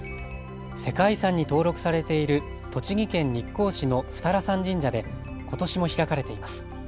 世界遺産に登録されている栃木県日光市の二荒山神社でことしも開かれています。